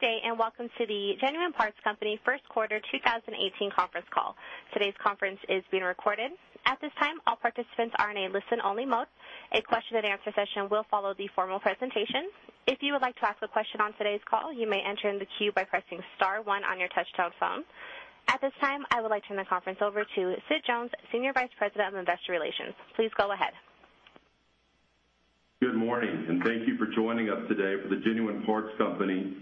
Good day. Welcome to the Genuine Parts Company First Quarter 2018 Conference Call. Today's conference is being recorded. At this time, all participants are in a listen-only mode. A question and answer session will follow the formal presentation. If you would like to ask a question on today's call, you may enter in the queue by pressing *1 on your touch-tone phone. At this time, I would like to turn the conference over to Sid Jones, Senior Vice President of Investor Relations. Please go ahead. Good morning. Thank you for joining us today for the Genuine Parts Company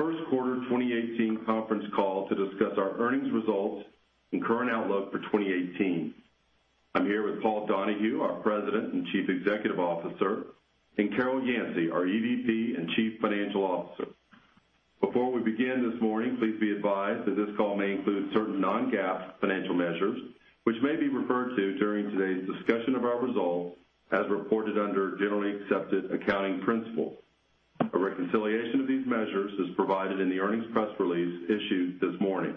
First Quarter 2018 Conference Call to discuss our earnings results and current outlook for 2018. I'm here with Paul Donahue, our President and Chief Executive Officer, and Carol Yancey, our EVP and Chief Financial Officer. Before we begin this morning, please be advised that this call may include certain non-GAAP financial measures, which may be referred to during today's discussion of our results as reported under generally accepted accounting principles. A reconciliation of these measures is provided in the earnings press release issued this morning,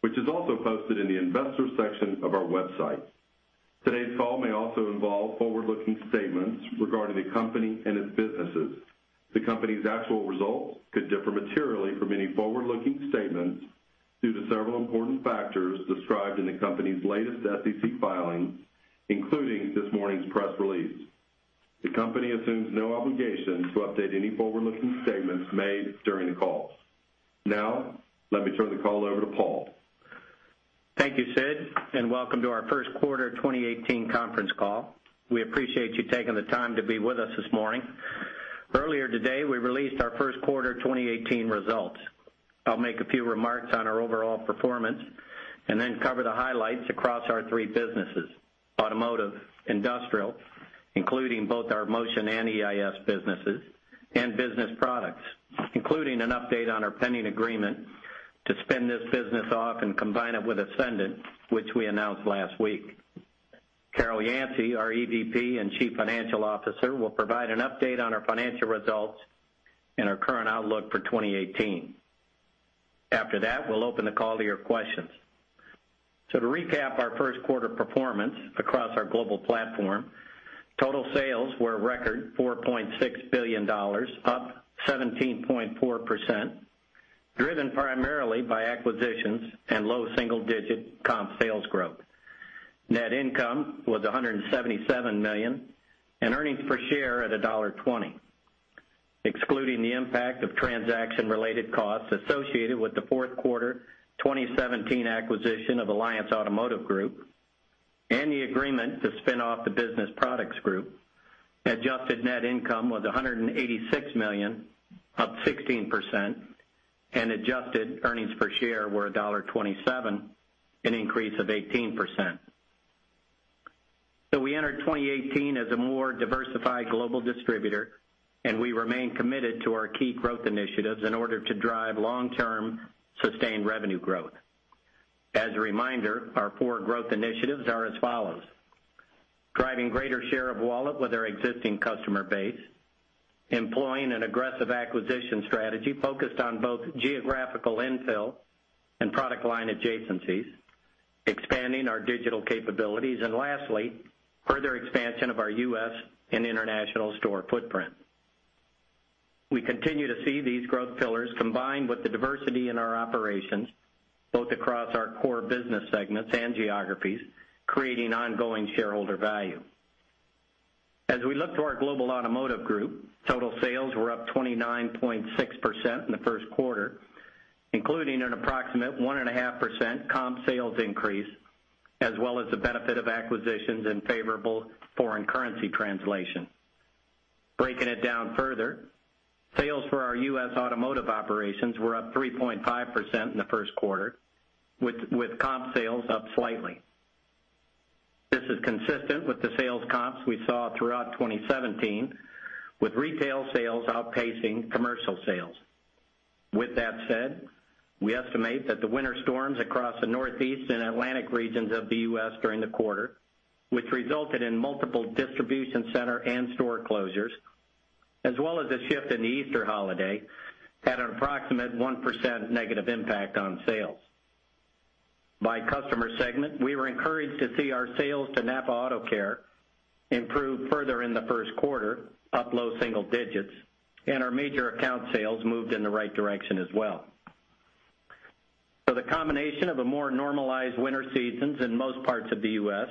which is also posted in the Investors section of our website. Today's call may also involve forward-looking statements regarding the company and its businesses. The company's actual results could differ materially from any forward-looking statements due to several important factors described in the company's latest SEC filings, including this morning's press release. The company assumes no obligation to update any forward-looking statements made during the call. Let me turn the call over to Paul. Thank you, Sid. Welcome to our First Quarter 2018 conference call. We appreciate you taking the time to be with us this morning. Earlier today, we released our First Quarter 2018 results. I'll make a few remarks on our overall performance and then cover the highlights across our three businesses, automotive, industrial, including both our Motion and EIS businesses, and Business Products, including an update on our pending agreement to spin this business off and combine it with Essendant, which we announced last week. Carol Yancey, our EVP and Chief Financial Officer, will provide an update on our financial results and our current outlook for 2018. After that, we'll open the call to your questions. To recap our first quarter performance across our global platform, total sales were a record $4.6 billion, up 17.4%, driven primarily by acquisitions and low single-digit comp sales growth. Net income was $177 million and earnings per share at $1.20. Excluding the impact of transaction-related costs associated with the fourth quarter 2017 acquisition of Alliance Automotive Group and the agreement to spin off the Business Products Group, adjusted net income was $186 million, up 16%, and adjusted earnings per share were $1.27, an increase of 18%. We entered 2018 as a more diversified global distributor, and we remain committed to our key growth initiatives in order to drive long-term, sustained revenue growth. As a reminder, our four growth initiatives are as follows. Driving greater share of wallet with our existing customer base. Employing an aggressive acquisition strategy focused on both geographical infill and product line adjacencies. Expanding our digital capabilities. Lastly, further expansion of our U.S. and international store footprint. We continue to see these growth pillars combined with the diversity in our operations, both across our core business segments and geographies, creating ongoing shareholder value. As we look to our global automotive group, total sales were up 29.6% in the first quarter, including an approximate 1.5% comp sales increase, as well as the benefit of acquisitions and favorable foreign currency translation. Breaking it down further, sales for our U.S. automotive operations were up 3.5% in the first quarter, with comp sales up slightly. This is consistent with the sales comps we saw throughout 2017, with retail sales outpacing commercial sales. With that said, we estimate that the winter storms across the Northeast and Atlantic regions of the U.S. during the quarter, which resulted in multiple distribution center and store closures, as well as a shift in the Easter holiday, had an approximate 1% negative impact on sales. By customer segment, we were encouraged to see our sales to NAPA Auto Care improve further in the first quarter, up low single digits, and our major account sales moved in the right direction as well. The combination of a more normalized winter seasons in most parts of the U.S.,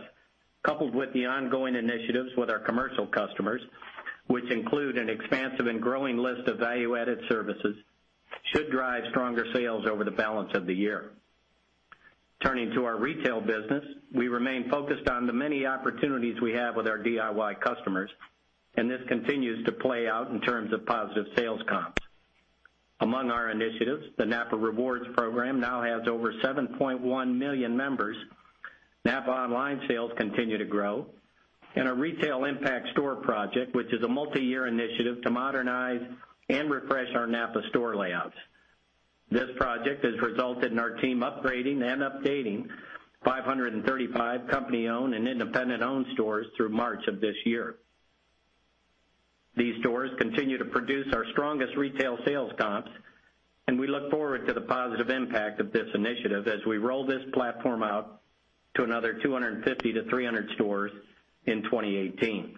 coupled with the ongoing initiatives with our commercial customers, which include an expansive and growing list of value-added services, should drive stronger sales over the balance of the year. Turning to our retail business, we remain focused on the many opportunities we have with our DIY customers, and this continues to play out in terms of positive sales comps. Among our initiatives, the NAPA Rewards program now has over 7.1 million members. NAPA online sales continue to grow. Our Retail Impact Store project, which is a multi-year initiative to modernize and refresh our NAPA store layouts. This project has resulted in our team upgrading and updating 535 company-owned and independent-owned stores through March of this year. These stores continue to produce our strongest retail sales comps, and we look forward to the positive impact of this initiative as we roll this platform out to another 250 to 300 stores in 2018.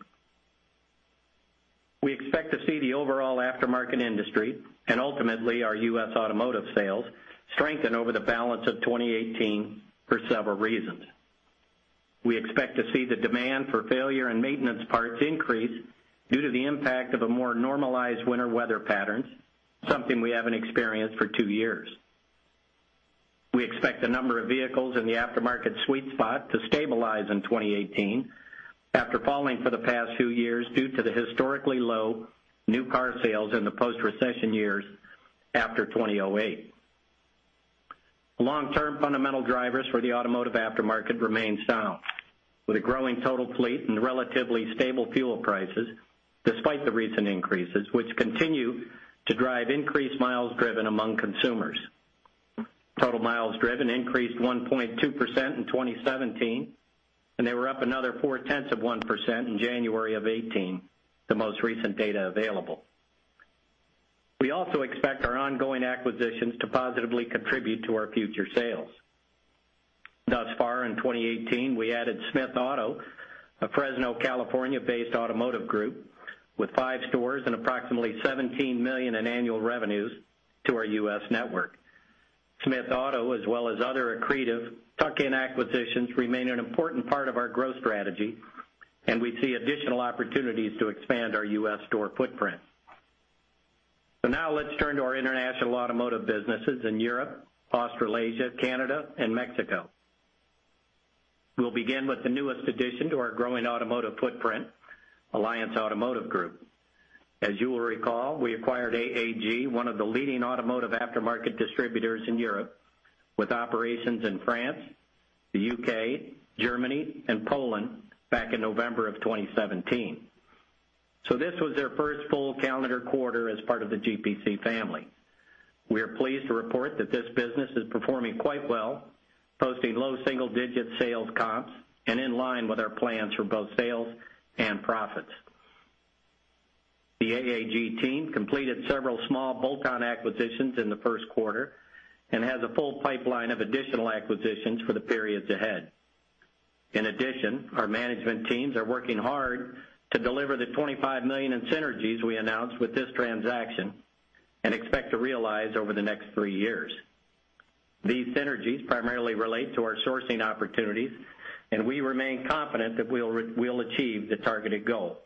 We expect to see the overall aftermarket industry and ultimately our U.S. automotive sales strengthen over the balance of 2018 for several reasons. We expect to see the demand for failure and maintenance parts increase due to the impact of a more normalized winter weather patterns, something we haven't experienced for two years. We expect the number of vehicles in the aftermarket sweet spot to stabilize in 2018 after falling for the past two years due to the historically low new car sales in the post-recession years after 2008. Long-term fundamental drivers for the automotive aftermarket remain sound, with a growing total fleet and relatively stable fuel prices, despite the recent increases, which continue to drive increased miles driven among consumers. Total miles driven increased 1.2% in 2017, and they were up another 0.4% in January of 2018, the most recent data available. We also expect our ongoing acquisitions to positively contribute to our future sales. Thus far in 2018, we added Smith Auto, a Fresno, California-based automotive group with five stores and approximately $17 million in annual revenues to our U.S. network. Smith Auto, as well as other accretive tuck-in acquisitions, remain an important part of our growth strategy, and we see additional opportunities to expand our U.S. store footprint. Now let's turn to our international automotive businesses in Europe, Australasia, Canada, and Mexico. We'll begin with the newest addition to our growing automotive footprint, Alliance Automotive Group. As you will recall, we acquired AAG, one of the leading automotive aftermarket distributors in Europe, with operations in France, the U.K., Germany, and Poland back in November of 2017. This was their first full calendar quarter as part of the GPC family. We are pleased to report that this business is performing quite well, posting low single-digit sales comps and in line with our plans for both sales and profits. The AAG team completed several small bolt-on acquisitions in the first quarter and has a full pipeline of additional acquisitions for the periods ahead. In addition, our management teams are working hard to deliver the $25 million in synergies we announced with this transaction and expect to realize over the next three years. These synergies primarily relate to our sourcing opportunities. We remain confident that we'll achieve the targeted goal.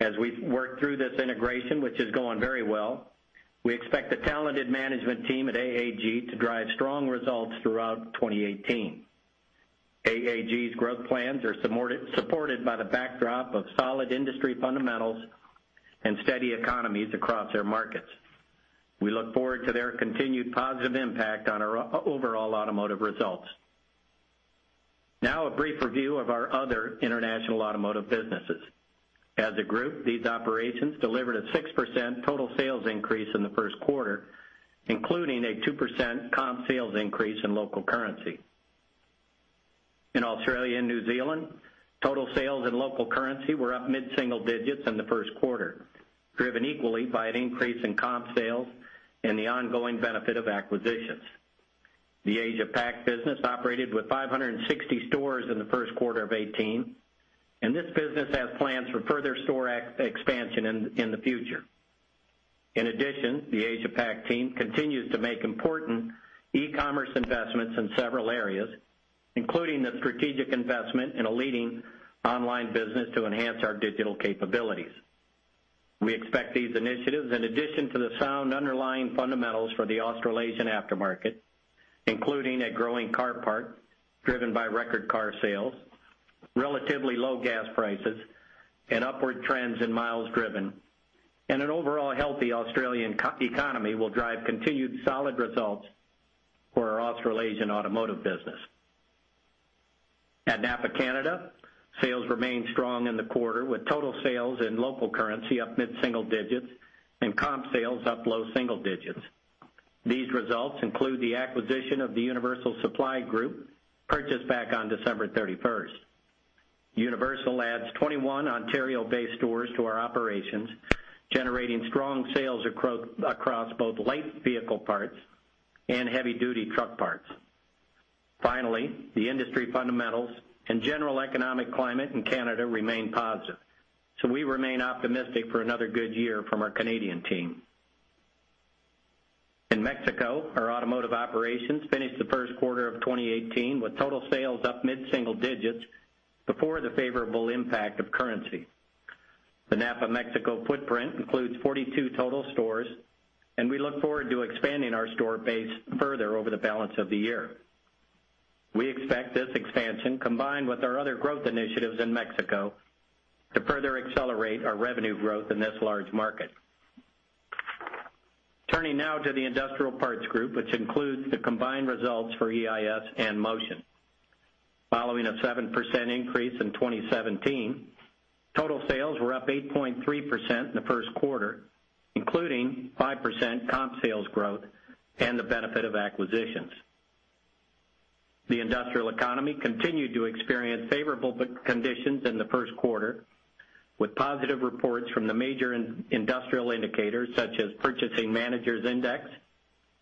As we work through this integration, which is going very well, we expect the talented management team at AAG to drive strong results throughout 2018. AAG's growth plans are supported by the backdrop of solid industry fundamentals and steady economies across their markets. We look forward to their continued positive impact on our overall automotive results. A brief review of our other international automotive businesses. As a group, these operations delivered a 6% total sales increase in the first quarter, including a 2% comp sales increase in local currency. In Australia and New Zealand, total sales in local currency were up mid-single digits in the first quarter, driven equally by an increase in comp sales and the ongoing benefit of acquisitions. The Asia-Pac business operated with 560 stores in the first quarter of 2018. This business has plans for further store expansion in the future. The Asia-Pac team continues to make important e-commerce investments in several areas, including the strategic investment in a leading online business to enhance our digital capabilities. We expect these initiatives, in addition to the sound underlying fundamentals for the Australasian aftermarket, including a growing car parc driven by record car sales, relatively low gas prices, and upward trends in miles driven, and an overall healthy Australian economy will drive continued solid results for our Australasian automotive business. At NAPA Canada, sales remained strong in the quarter with total sales in local currency up mid-single digits and comp sales up low single digits. These results include the acquisition of the Universal Supply Group purchased back on December 31st. Universal adds 21 Ontario-based stores to our operations, generating strong sales across both light vehicle parts and heavy-duty truck parts. The industry fundamentals and general economic climate in Canada remain positive. We remain optimistic for another good year from our Canadian team. In Mexico, our automotive operations finished the first quarter of 2018 with total sales up mid-single digits before the favorable impact of currency. The NAPA Mexico footprint includes 42 total stores, and we look forward to expanding our store base further over the balance of the year. We expect this expansion, combined with our other growth initiatives in Mexico, to further accelerate our revenue growth in this large market. Turning now to the Industrial Parts Group, which includes the combined results for EIS and Motion. Following a 7% increase in 2017, total sales were up 8.3% in the first quarter, including 5% comp sales growth and the benefit of acquisitions. The industrial economy continued to experience favorable conditions in the first quarter, with positive reports from the major industrial indicators such as Purchasing Managers' Index,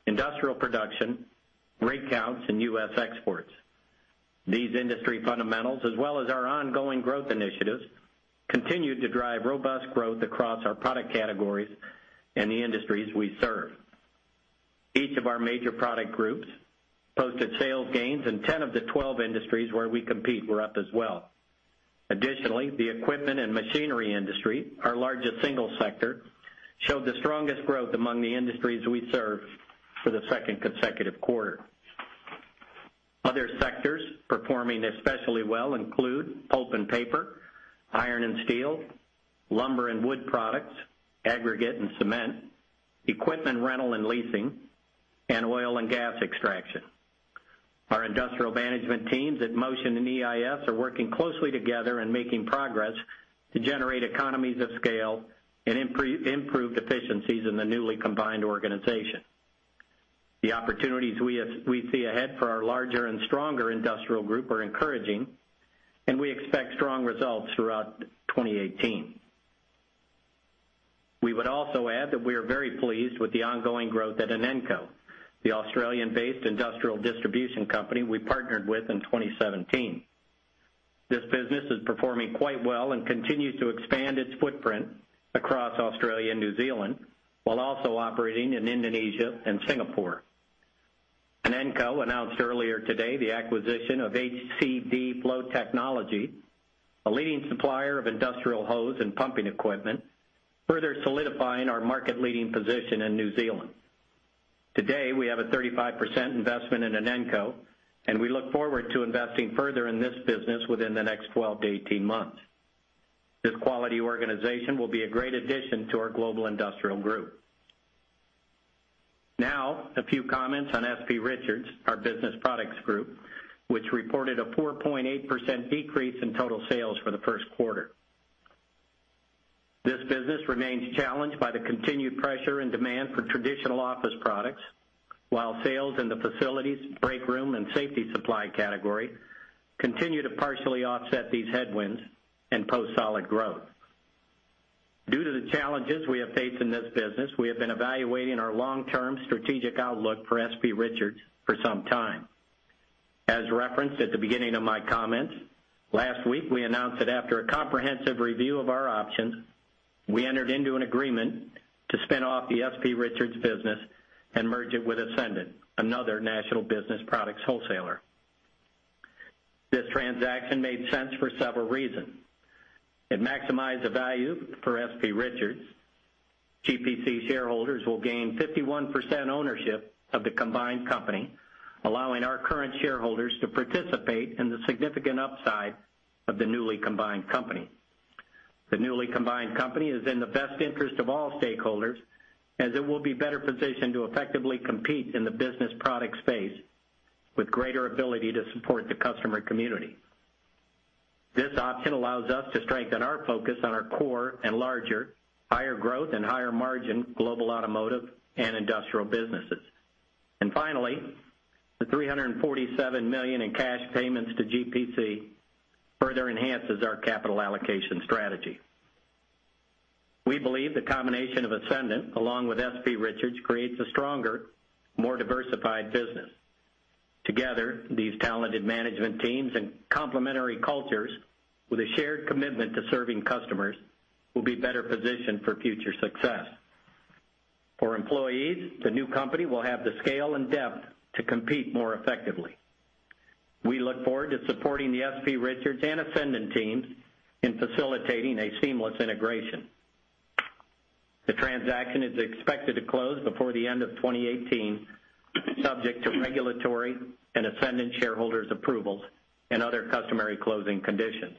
industrial production, rig counts, and U.S. exports. These industry fundamentals, as well as our ongoing growth initiatives, continued to drive robust growth across our product categories and the industries we serve. Each of our major product groups posted sales gains, and 10 of the 12 industries where we compete were up as well. Additionally, the equipment and machinery industry, our largest single sector, showed the strongest growth among the industries we serve for the second consecutive quarter. Other sectors performing especially well include pulp and paper, iron and steel, lumber and wood products, aggregate and cement, equipment rental and leasing, and oil and gas extraction. Our industrial management teams at Motion and EIS are working closely together and making progress to generate economies of scale and improve efficiencies in the newly combined organization. The opportunities we see ahead for our larger and stronger industrial group are encouraging, and we expect strong results throughout 2018. We would also add that we are very pleased with the ongoing growth at Inenco, the Australian-based industrial distribution company we partnered with in 2017. This business is performing quite well and continues to expand its footprint across Australia and New Zealand, while also operating in Indonesia and Singapore. Inenco announced earlier today the acquisition of HCD Flow Technology, a leading supplier of industrial hose and pumping equipment, further solidifying our market-leading position in New Zealand. Today, we have a 35% investment in Inenco, and we look forward to investing further in this business within the next 12 to 18 months. This quality organization will be a great addition to our global industrial group. A few comments on S.P. Richards, our Business Products Group, which reported a 4.8% decrease in total sales for the first quarter. This business remains challenged by the continued pressure and demand for traditional office products, while sales in the facilities, break room, and safety supply category continue to partially offset these headwinds and post solid growth. Due to the challenges we have faced in this business, we have been evaluating our long-term strategic outlook for S.P. Richards for some time. As referenced at the beginning of my comments, last week, we announced that after a comprehensive review of our options, we entered into an agreement to spin off the S.P. Richards business and merge it with Essendant, another national business products wholesaler. This transaction made sense for several reasons. It maximized the value for S.P. Richards. GPC shareholders will gain 51% ownership of the combined company, allowing our current shareholders to participate in the significant upside of the newly combined company. The newly combined company is in the best interest of all stakeholders, as it will be better positioned to effectively compete in the business product space with greater ability to support the customer community. This option allows us to strengthen our focus on our core and larger, higher growth, and higher margin global automotive and industrial businesses. Finally, the $347 million in cash payments to GPC further enhances our capital allocation strategy. We believe the combination of Essendant, along with S.P. Richards, creates a stronger, more diversified business. Together, these talented management teams and complementary cultures with a shared commitment to serving customers will be better positioned for future success. For employees, the new company will have the scale and depth to compete more effectively. We look forward to supporting the S.P. Richards and Essendant teams in facilitating a seamless integration. The transaction is expected to close before the end of 2018, subject to regulatory and Essendant shareholders' approvals and other customary closing conditions.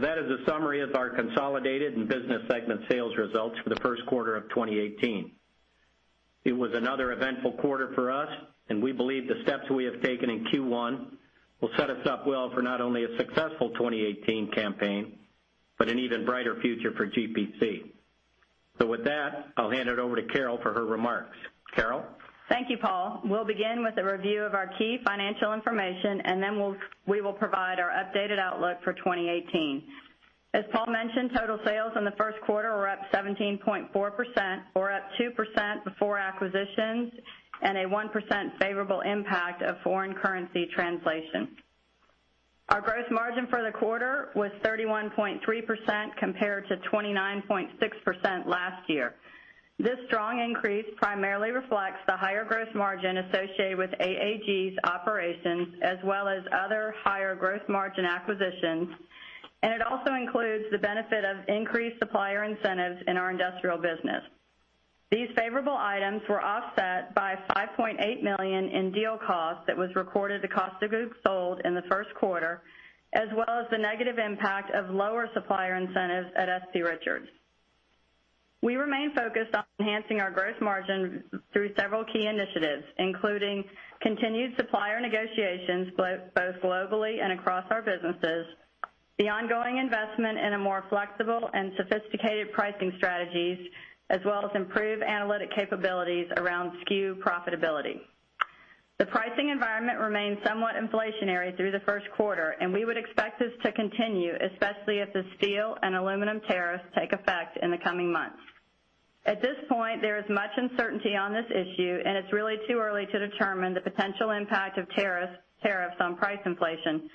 That is a summary of our consolidated and business segment sales results for the first quarter of 2018. It was another eventful quarter for us, and we believe the steps we have taken in Q1 will set us up well for not only a successful 2018 campaign, but an even brighter future for GPC. With that, I'll hand it over to Carol for her remarks. Carol? Thank you, Paul. We'll begin with a review of our key financial information, and then we will provide our updated outlook for 2018. As Paul mentioned, total sales in the first quarter were up 17.4%, or up 2% before acquisitions, and a 1% favorable impact of foreign currency translation. Our gross margin for the quarter was 31.3% compared to 29.6% last year. This strong increase primarily reflects the higher gross margin associated with AAG's operations, as well as other higher gross margin acquisitions, and it also includes the benefit of increased supplier incentives in our industrial business. These favorable items were offset by $5.8 million in deal cost that was recorded to cost of goods sold in the first quarter, as well as the negative impact of lower supplier incentives at S.P. Richards. We remain focused on enhancing our gross margin through several key initiatives, including continued supplier negotiations, both globally and across our businesses, the ongoing investment in a more flexible and sophisticated pricing strategies, as well as improved analytic capabilities around SKU profitability. The pricing environment remained somewhat inflationary through the first quarter, and we would expect this to continue, especially as the steel and aluminum tariffs take effect in the coming months. At this point, there is much uncertainty on this issue, and it's really too early to determine the potential impact of tariffs on price inflation.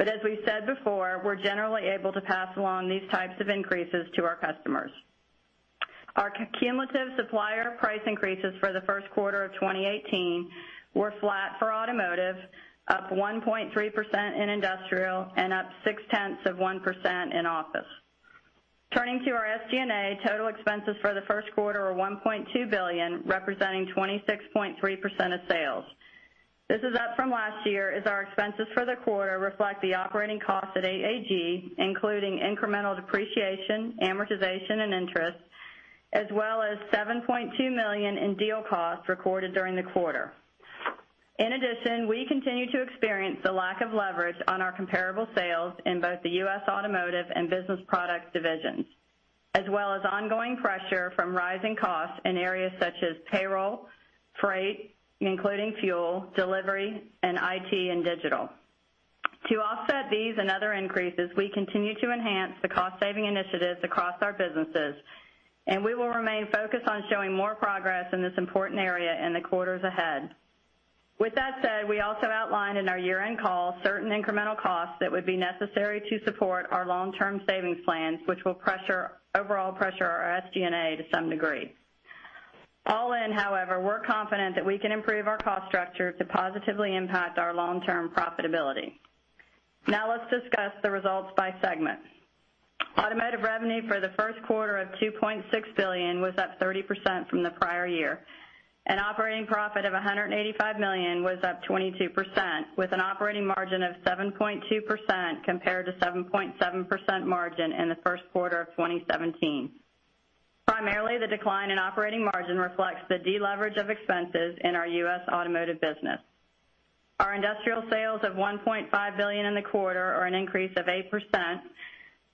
As we said before, we're generally able to pass along these types of increases to our customers. Our cumulative supplier price increases for the first quarter of 2018 were flat for Automotive, up 1.3% in Industrial, and up six-tenths of 1% in Office. Turning to our SG&A, total expenses for the first quarter are $1.2 billion, representing 26.3% of sales. This is up from last year, as our expenses for the quarter reflect the operating cost at AAG, including incremental depreciation, amortization, and interest, as well as $7.2 million in deal costs recorded during the quarter. In addition, we continue to experience the lack of leverage on our comparable sales in both the U.S. Automotive and Business Product divisions, as well as ongoing pressure from rising costs in areas such as payroll, freight, including fuel, delivery, and IT and digital. To offset these and other increases, we continue to enhance the cost-saving initiatives across our businesses, we will remain focused on showing more progress in this important area in the quarters ahead. With that said, we also outlined in our year-end call certain incremental costs that would be necessary to support our long-term savings plans, which will overall pressure our SG&A to some degree. All in, however, we're confident that we can improve our cost structure to positively impact our long-term profitability. Now let's discuss the results by segment. Automotive revenue for the first quarter of $2.6 billion was up 30% from the prior year. An operating profit of $185 million was up 22%, with an operating margin of 7.2% compared to 7.7% margin in the first quarter of 2017. Primarily, the decline in operating margin reflects the deleverage of expenses in our U.S. Automotive business. Our Industrial sales of $1.5 billion in the quarter are an increase of 8%.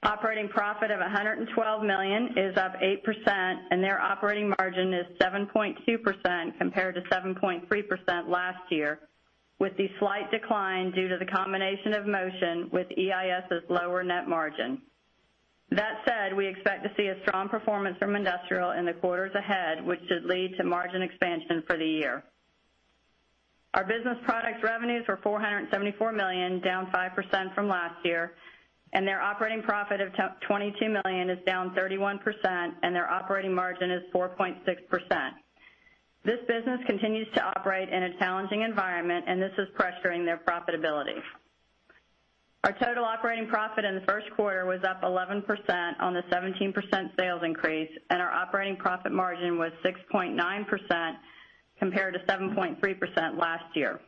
Operating profit of $112 million is up 8%, and their operating margin is 7.2% compared to 7.3% last year, with the slight decline due to the combination of Motion with EIS's lower net margin. That said, we expect to see a strong performance from Industrial in the quarters ahead, which should lead to margin expansion for the year. Our Business Product revenues were $474 million, down 5% from last year, and their operating profit of $22 million is down 31%, and their operating margin is 4.6%. This business continues to operate in a challenging environment, and this is pressuring their profitability. Our total operating profit in the first quarter was up 11% on the 17% sales increase, and our operating profit margin was 6.9% compared to 7.3% last year.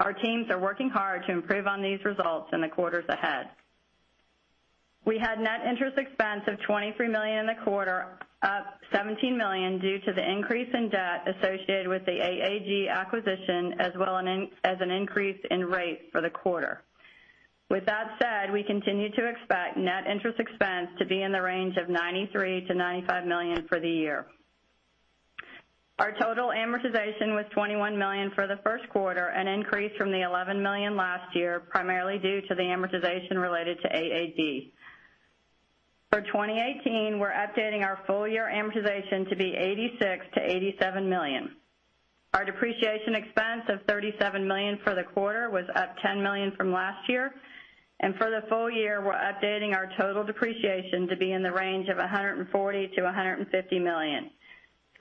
Our teams are working hard to improve on these results in the quarters ahead. We had net interest expense of $23 million in the quarter, up $17 million due to the increase in debt associated with the AAG acquisition as well as an increase in rate for the quarter. With that said, we continue to expect net interest expense to be in the range of $93 million-$95 million for the year. Our total amortization was $21 million for the first quarter, an increase from the $11 million last year, primarily due to the amortization related to AAG. For 2018, we're updating our full-year amortization to be $86 million-$87 million. Our depreciation expense of $37 million for the quarter was up $10 million from last year, and for the full year, we're updating our total depreciation to be in the range of $140 million-$150 million.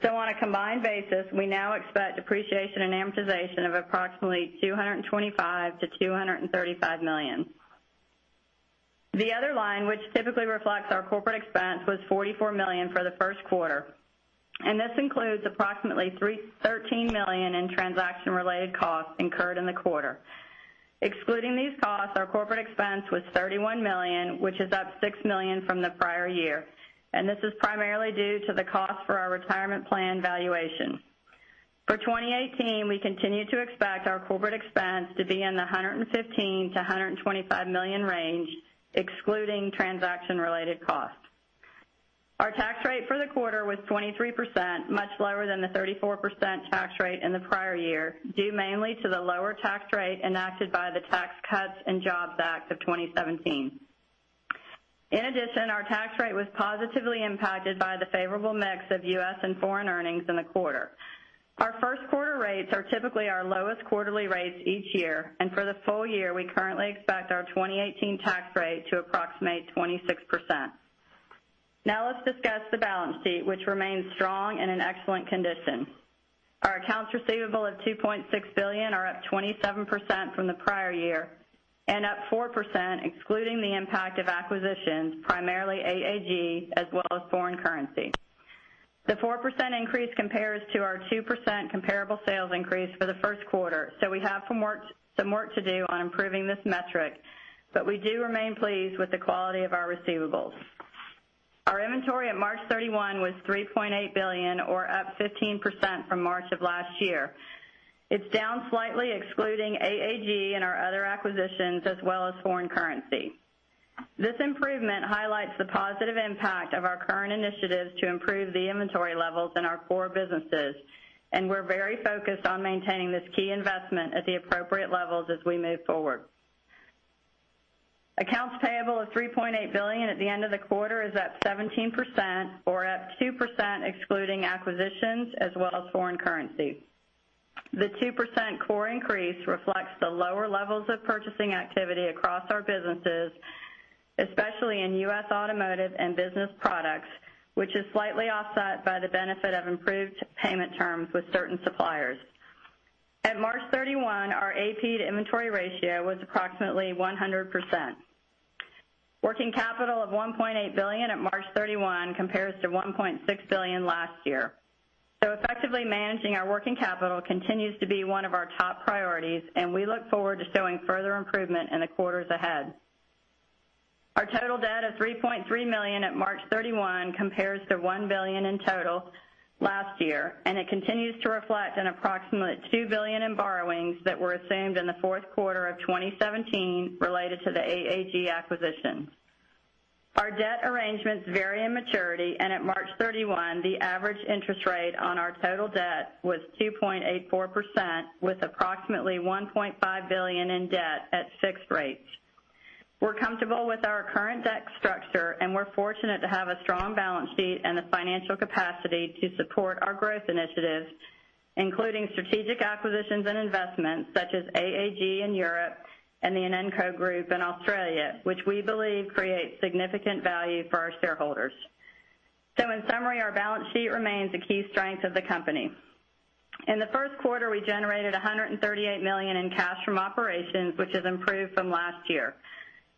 On a combined basis, we now expect depreciation and amortization of approximately $225 million-$235 million. The other line, which typically reflects our corporate expense, was $44 million for the first quarter. This includes approximately $13 million in transaction-related costs incurred in the quarter. Excluding these costs, our corporate expense was $31 million, which is up $6 million from the prior year. This is primarily due to the cost for our retirement plan valuation. For 2018, we continue to expect our corporate expense to be in the $115 million-$125 million range, excluding transaction-related costs. Our tax rate for the quarter was 23%, much lower than the 34% tax rate in the prior year, due mainly to the lower tax rate enacted by the Tax Cuts and Jobs Act of 2017. In addition, our tax rate was positively impacted by the favorable mix of U.S. and foreign earnings in the quarter. Our first quarter rates are typically our lowest quarterly rates each year. For the full year, we currently expect our 2018 tax rate to approximate 26%. Let's discuss the balance sheet, which remains strong and in excellent condition. Our accounts receivable of $2.6 billion are up 27% from the prior year and up 4% excluding the impact of acquisitions, primarily AAG, as well as foreign currency. The 4% increase compares to our 2% comparable sales increase for the first quarter. We have some work to do on improving this metric, we do remain pleased with the quality of our receivables. Our inventory at March 31 was $3.8 billion or up 15% from March of last year. It's down slightly excluding AAG and our other acquisitions, as well as foreign currency. This improvement highlights the positive impact of our current initiatives to improve the inventory levels in our core businesses. We're very focused on maintaining this key investment at the appropriate levels as we move forward. Accounts payable of $3.8 billion at the end of the quarter is up 17%, or up 2% excluding acquisitions as well as foreign currency. The 2% core increase reflects the lower levels of purchasing activity across our businesses, especially in U.S. automotive and Business Products, which is slightly offset by the benefit of improved payment terms with certain suppliers. At March 31, our AP to inventory ratio was approximately 100%. Working capital of $1.8 billion at March 31 compares to $1.6 billion last year. Effectively managing our working capital continues to be one of our top priorities. We look forward to showing further improvement in the quarters ahead. Our total debt of $3.3 billion at March 31 compares to $1 billion in total last year, and it continues to reflect an approximately $2 billion in borrowings that were assumed in the fourth quarter of 2017 related to the AAG acquisition. Our debt arrangements vary in maturity, and at March 31, the average interest rate on our total debt was 2.84%, with approximately $1.5 billion in debt at fixed rates. We're comfortable with our current debt structure, and we're fortunate to have a strong balance sheet and the financial capacity to support our growth initiatives, including strategic acquisitions and investments such as AAG in Europe and the Inenco Group in Australia, which we believe creates significant value for our shareholders. In summary, our balance sheet remains a key strength of the company. In the first quarter, we generated $138 million in cash from operations, which has improved from last year.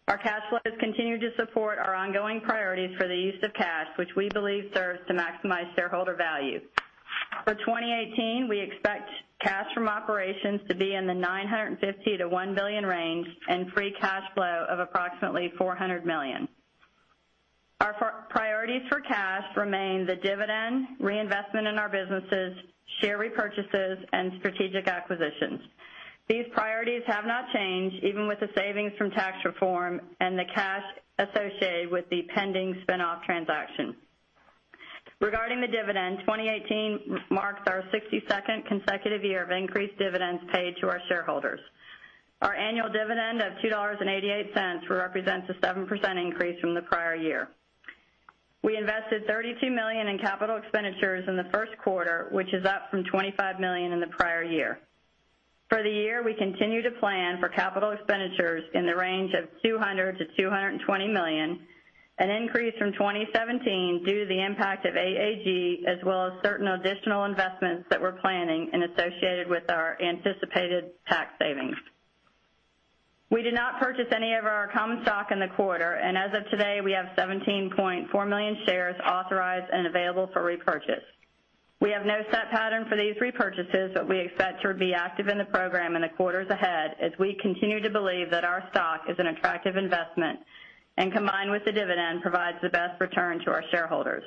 Our cash flows continue to support our ongoing priorities for the use of cash, which we believe serves to maximize shareholder value. For 2018, we expect cash from operations to be in the $950 million to $1 billion range and free cash flow of approximately $400 million. Our priorities for cash remain the dividend, reinvestment in our businesses, share repurchases, and strategic acquisitions. These priorities have not changed, even with the savings from Tax Reform and the cash associated with the pending spin-off transaction. Regarding the dividend, 2018 marks our 62nd consecutive year of increased dividends paid to our shareholders. Our annual dividend of $2.88 represents a 7% increase from the prior year. We invested $32 million in capital expenditures in the first quarter, which is up from $25 million in the prior year. For the year, we continue to plan for capital expenditures in the range of $200 million-$220 million, an increase from 2017 due to the impact of AAG, as well as certain additional investments that we're planning and associated with our anticipated Tax savings. We did not purchase any of our common stock in the quarter, and as of today, we have 17.4 million shares authorized and available for repurchase. We have no set pattern for these repurchases, but we expect to be active in the program in the quarters ahead as we continue to believe that our stock is an attractive investment and, combined with the dividend, provides the best return to our shareholders.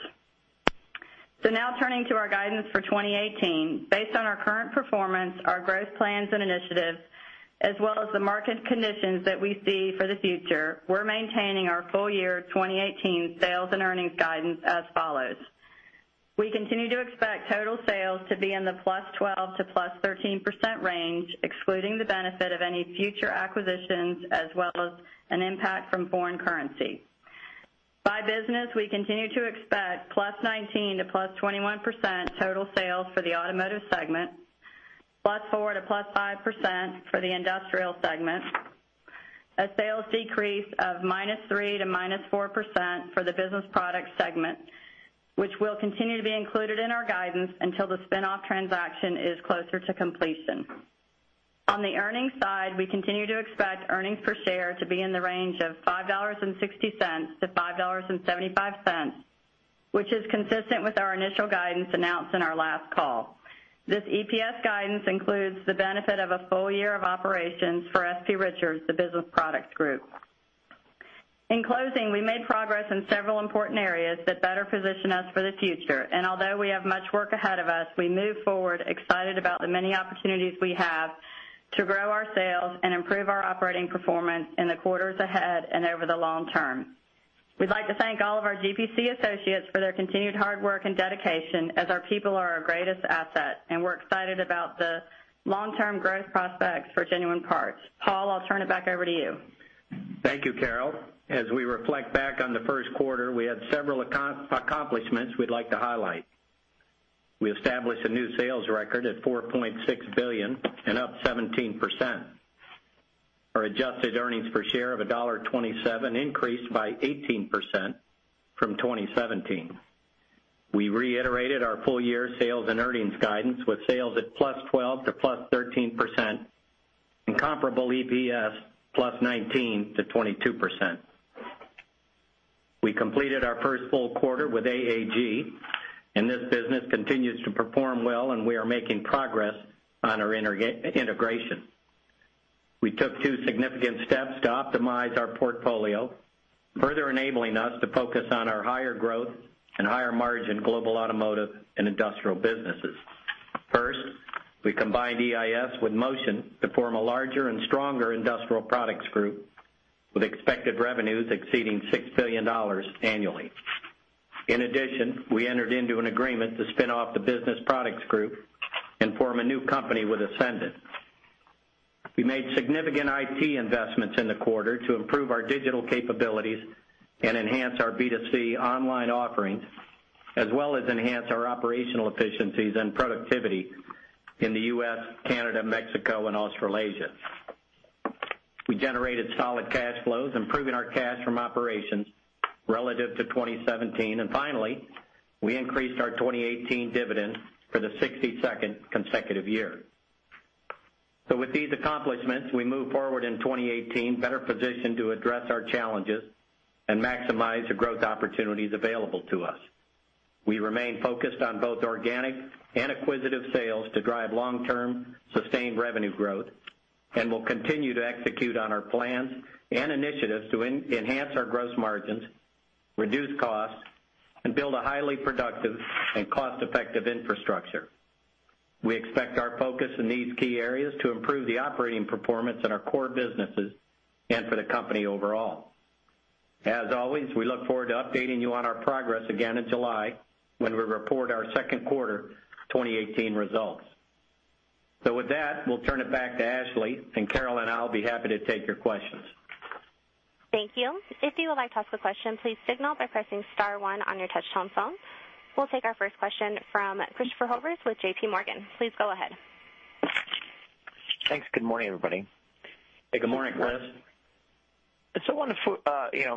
Now turning to our guidance for 2018. Based on our current performance, our growth plans and initiatives, as well as the market conditions that we see for the future, we're maintaining our full year 2018 sales and earnings guidance as follows. We continue to expect total sales to be in the +12% to +13% range, excluding the benefit of any future acquisitions, as well as an impact from foreign currency. By business, we continue to expect +19% to +21% total sales for the Automotive segment, +4% to +5% for the Industrial segment, a sales decrease of -3% to -4% for the Business Products Group, which will continue to be included in our guidance until the spin-off transaction is closer to completion. On the earnings side, we continue to expect earnings per share to be in the range of $5.60 to $5.75, which is consistent with our initial guidance announced in our last call. This EPS guidance includes the benefit of a full year of operations for S.P. Richards, the Business Products Group. In closing, we made progress in several important areas that better position us for the future. Although we have much work ahead of us, we move forward excited about the many opportunities we have to grow our sales and improve our operating performance in the quarters ahead and over the long term. We'd like to thank all of our GPC associates for their continued hard work and dedication as our people are our greatest asset, and we're excited about the long-term growth prospects for Genuine Parts. Paul, I'll turn it back over to you. Thank you, Carol. As we reflect back on the first quarter, we had several accomplishments we'd like to highlight. We established a new sales record at $4.6 billion and up 17%. Our adjusted earnings per share of $1.27 increased by 18% from 2017. We reiterated our full year sales and earnings guidance with sales at +12% to +13% and comparable EPS +19% to +22%. We completed our first full quarter with AAG, and this business continues to perform well, and we are making progress on our integration. We took two significant steps to optimize our portfolio, further enabling us to focus on our higher growth and higher margin global automotive and industrial businesses. First, we combined EIS with Motion to form a larger and stronger Industrial Parts Group with expected revenues exceeding $6 billion annually. In addition, we entered into an agreement to spin off the Business Products Group and form a new company with Essendant. We made significant IT investments in the quarter to improve our digital capabilities and enhance our B2C online offerings, as well as enhance our operational efficiencies and productivity in the U.S., Canada, Mexico, and Australasia. We generated solid cash flows, improving our cash from operations relative to 2017. Finally, we increased our 2018 dividend for the 62nd consecutive year. With these accomplishments, we move forward in 2018 better positioned to address our challenges and maximize the growth opportunities available to us. We remain focused on both organic and acquisitive sales to drive long-term sustained revenue growth and will continue to execute on our plans and initiatives to enhance our gross margins, reduce costs, and build a highly productive and cost-effective infrastructure. We expect our focus in these key areas to improve the operating performance in our core businesses and for the company overall. As always, we look forward to updating you on our progress again in July when we report our second quarter 2018 results. With that, we'll turn it back to Ashley, and Carol and I'll be happy to take your questions. Thank you. If you would like to ask a question, please signal by pressing star one on your touchtone phone. We'll take our first question from Christopher Horvers with JP Morgan. Please go ahead. Thanks. Good morning, everybody. Hey, good morning, Chris. I want to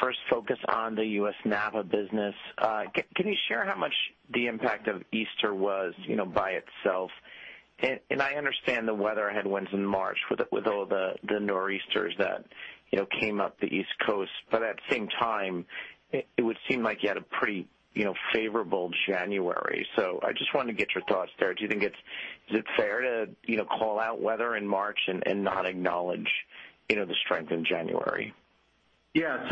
first focus on the U.S. NAPA business. Can you share how much the impact of Easter was by itself? I understand the weather headwinds in March with all the Nor'easters that came up the East Coast, but at the same time, it would seem like you had a pretty favorable January. I just wanted to get your thoughts there. Is it fair to call out weather in March and not acknowledge the strength in January? Yeah.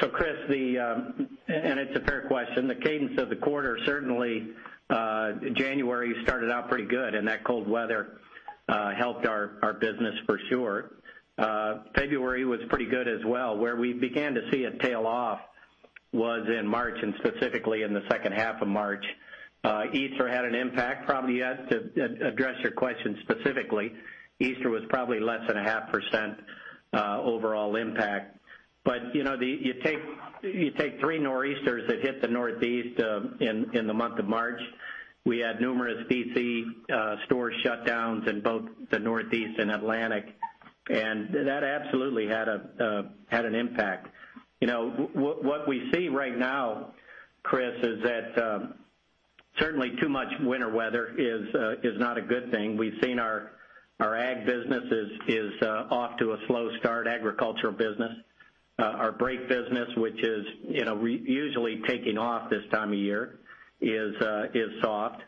Chris, and it's a fair question, the cadence of the quarter, certainly, January started out pretty good, and that cold weather helped our business for sure. February was pretty good as well. Where we began to see it tail off was in March, and specifically in the second half of March. Easter had an impact, probably. To address your question specifically, Easter was probably less than a half percent overall impact. You take three Nor'easters that hit the Northeast in the month of March. We had numerous DC store shutdowns in both the Northeast and Atlantic, and that absolutely had an impact. What we see right now, Chris, is that certainly too much winter weather is not a good thing. We've seen our ag business is off to a slow start, agricultural business. Our brake business, which is usually taking off this time of year, is soft.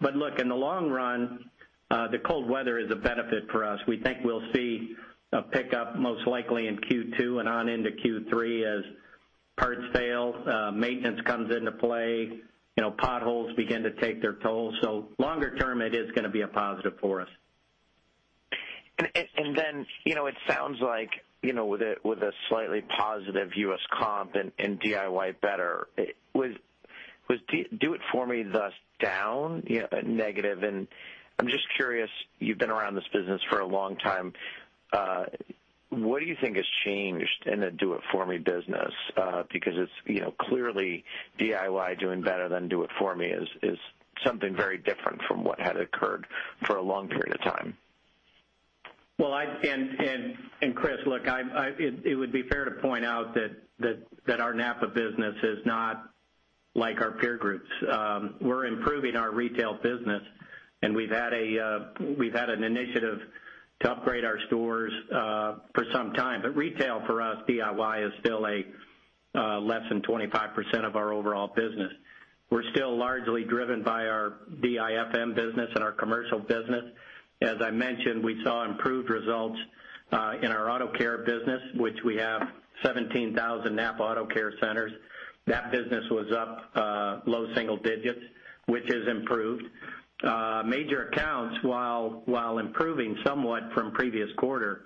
Look, in the long run, the cold weather is a benefit for us. We think we'll see a pickup most likely in Q2 and on into Q3 as parts fail, maintenance comes into play, potholes begin to take their toll. Longer term, it is going to be a positive for us. It sounds like with a slightly positive U.S. comp and DIY better, was Do It For Me thus down negative? I'm just curious, you've been around this business for a long time, what do you think has changed in the Do It For Me business? It's clearly DIY doing better than Do It For Me is something very different from what had occurred for a long period of time. Chris, look, it would be fair to point out that our NAPA business is not like our peer groups. We're improving our retail business, and we've had an initiative to upgrade our stores for some time. Retail for us, DIY, is still less than 25% of our overall business. We're still largely driven by our DIFM business and our commercial business. As I mentioned, we saw improved results in our auto care business, which we have 17,000 NAPA Auto Care Centers. That business was up low single digits, which has improved. Major accounts, while improving somewhat from previous quarter,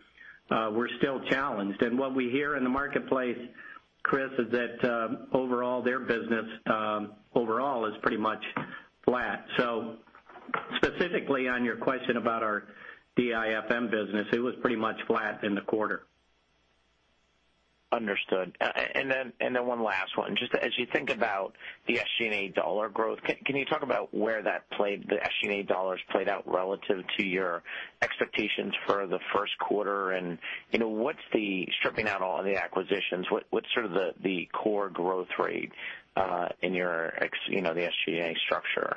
were still challenged. What we hear in the marketplace, Chris, is that overall, their business overall is pretty much flat. Specifically on your question about our DIFM business, it was pretty much flat in the quarter. Understood. One last one. Just as you think about the SG&A dollar growth, can you talk about where the SG&A dollars played out relative to your expectations for the first quarter? Stripping out all the acquisitions, what's sort of the core growth rate in the SG&A structure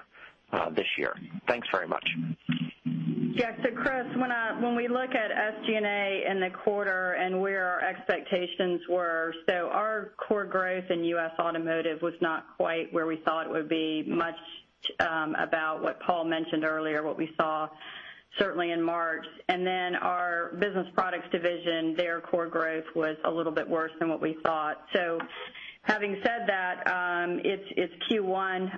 this year? Thanks very much. Yeah. Chris, when we look at SG&A in the quarter and where our expectations were, our core growth in U.S. automotive was not quite where we thought it would be, much about what Paul mentioned earlier, what we saw certainly in March. Our Business Products division, their core growth was a little bit worse than what we thought. Having said that, it's Q1,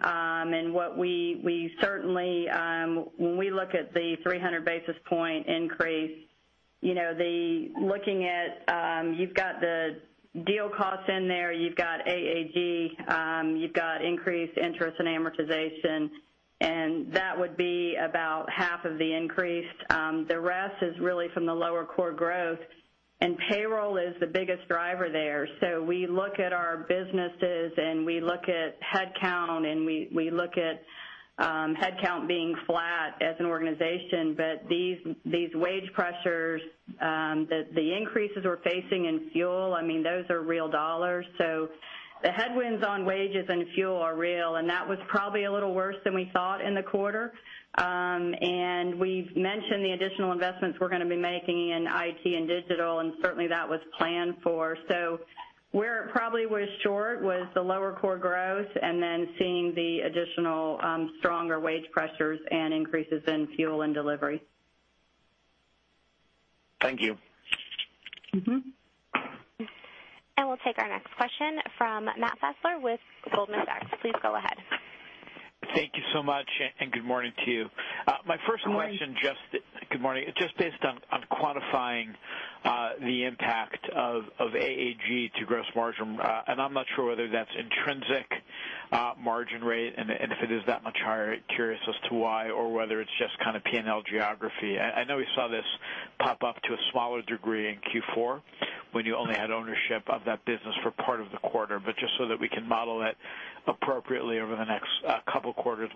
when we look at the 300 basis point increase Looking at, you've got the deal costs in there, you've got AAG, you've got increased interest and amortization, that would be about half of the increase. The rest is really from the lower core growth, and payroll is the biggest driver there. We look at our businesses and we look at headcount, and we look at headcount being flat as an organization. These wage pressures, the increases we're facing in fuel, those are real dollars. The headwinds on wages and fuel are real, and that was probably a little worse than we thought in the quarter. We've mentioned the additional investments we're going to be making in IT and digital, certainly that was planned for. Where it probably was short was the lower core growth and then seeing the additional stronger wage pressures and increases in fuel and delivery. Thank you. We'll take our next question from Matt Fassler with Goldman Sachs. Please go ahead. Thank you so much, and good morning to you. Morning. My first question, good morning. Just based on quantifying the impact of AAG to gross margin. I'm not sure whether that's intrinsic margin rate, and if it is that much higher, curious as to why, or whether it's just kind of P&L geography. I know we saw this pop up to a smaller degree in Q4, when you only had ownership of that business for part of the quarter, but just so that we can model it appropriately over the next couple quarters,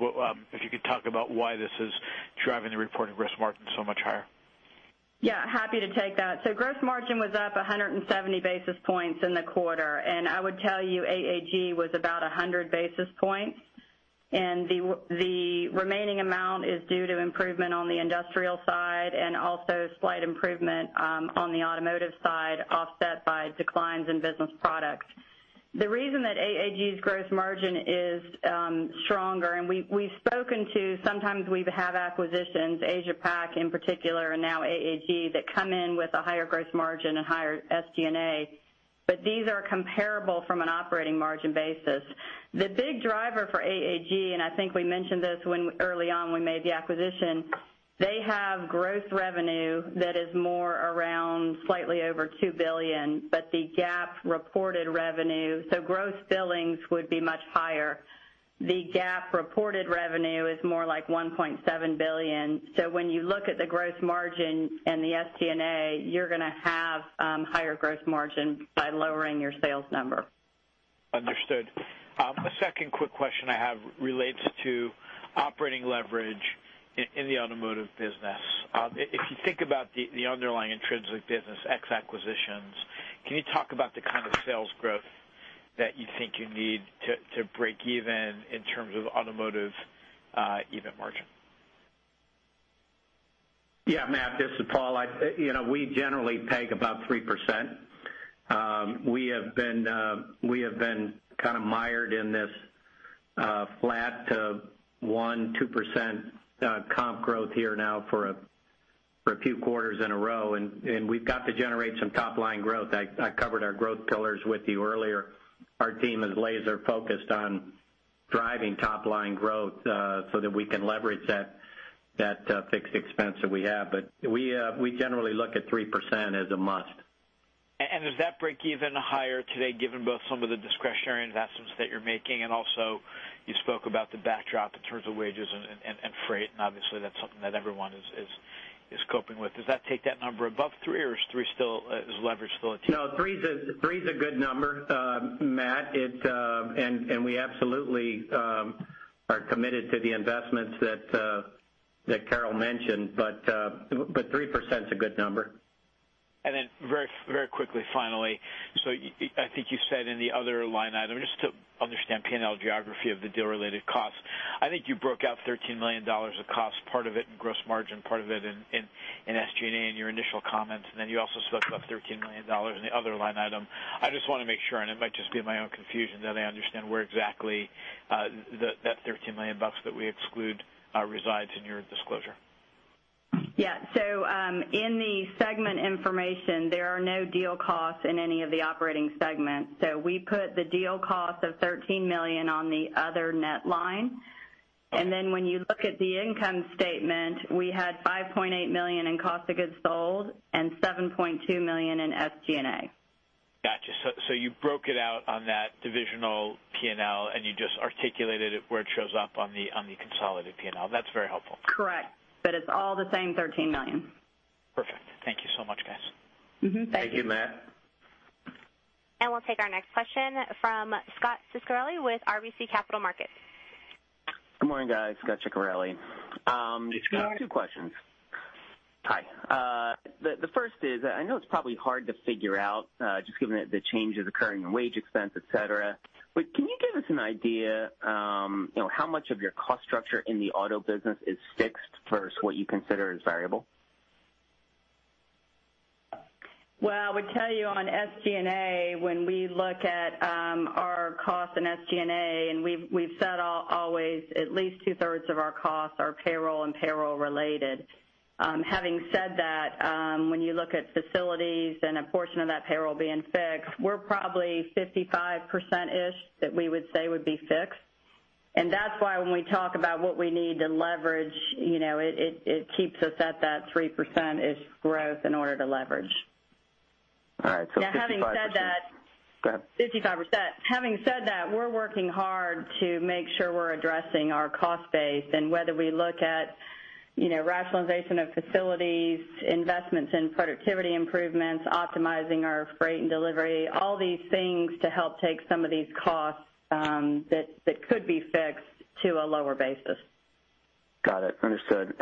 if you could talk about why this is driving the reported gross margin so much higher. Yeah, happy to take that. Gross margin was up 170 basis points in the quarter, and I would tell you AAG was about 100 basis points, and the remaining amount is due to improvement on the industrial side and also slight improvement on the automotive side, offset by declines in Business Products. The reason that AAG's gross margin is stronger, and we've spoken to, sometimes we have acquisitions, Asia-Pac in particular, and now AAG, that come in with a higher gross margin and higher SG&A, but these are comparable from an operating margin basis. The big driver for AAG, and I think we mentioned this early on when we made the acquisition: they have gross revenue that is more around slightly over $2 billion, but the GAAP reported revenue, so gross billings would be much higher. The GAAP reported revenue is more like $1.7 billion. When you look at the gross margin and the SG&A, you're going to have higher gross margin by lowering your sales number. Understood. A second quick question I have relates to operating leverage in the automotive business. If you think about the underlying intrinsic business, ex acquisitions, can you talk about the kind of sales growth that you think you need to break even in terms of automotive EBIT margin? Yeah, Matt, this is Paul. We generally peg about 3%. We have been mired in this flat to 1%, 2% comp growth here now for a few quarters in a row. We've got to generate some top-line growth. I covered our growth pillars with you earlier. Our team is laser-focused on driving top-line growth so that we can leverage that fixed expense that we have. We generally look at 3% as a must. Does that break even higher today, given both some of the discretionary investments that you're making, and also you spoke about the backdrop in terms of wages and freight, and obviously that's something that everyone is coping with. Does that take that number above 3%, or is leverage still at 3%? No, three is a good number, Matt. We absolutely are committed to the investments that Carol mentioned, but 3%'s a good number. Very quickly, finally. I think you said in the other line item, just to understand P&L geography of the deal-related costs. I think you broke out $13 million of costs, part of it in gross margin, part of it in SG&A in your initial comments, you also spoke about $13 million in the other line item. I just want to make sure, and it might just be my own confusion, that I understand where exactly that $13 million that we exclude resides in your disclosure. Yeah. In the segment information, there are no deal costs in any of the operating segments. We put the deal cost of $13 million on the other net line. When you look at the income statement, we had $5.8 million in cost of goods sold and $7.2 million in SG&A. Got you. You broke it out on that divisional P&L, you just articulated it where it shows up on the consolidated P&L. That's very helpful. Correct. It's all the same $13 million. Perfect. Thank you so much, guys. Thank you. Thank you, Matt. We'll take our next question from Scot Ciccarelli with RBC Capital Markets. Good morning, guys. Scot Ciccarelli. Good morning. Two questions. Hi. The first is, I know it's probably hard to figure out, just given the changes occurring in wage expense, et cetera, but can you give us an idea how much of your cost structure in the auto business is fixed versus what you consider as variable? Well, I would tell you on SG&A, when we look at our costs and SG&A, we've said always at least two-thirds of our costs are payroll and payroll-related. Having said that, when you look at facilities and a portion of that payroll being fixed, we're probably 55%-ish that we would say would be fixed. That's why when we talk about what we need to leverage, it keeps us at that 3% is growth in order to leverage. All right, 55%. Now, having said that. Go ahead. 55%. Having said that, we're working hard to make sure we're addressing our cost base and whether we look at rationalization of facilities, investments in productivity improvements, optimizing our freight and delivery, all these things to help take some of these costs that could be fixed to a lower basis. Got it. Understood.